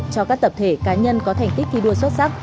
cho các tập thể cá nhân có thành tích thi đua xuất sắc